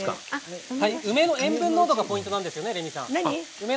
梅の塩分濃度がポイントなんですよね、レミさん。